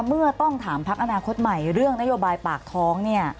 เมื่อต้องถามพักอนาคตใหม่เรื่องนโยบายปากท้องเนี่ย